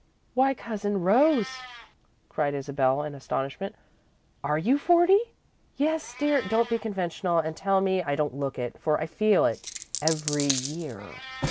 "Why, Cousin Rose!" cried Isabel, in astonishment. "Are you forty?" "Yes, dear. Don't be conventional and tell me I don't look it, for I feel it every year."